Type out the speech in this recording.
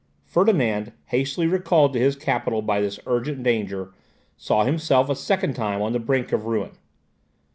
Ferdinand, hastily recalled to his capital by this urgent danger, saw himself a second time on the brink of ruin.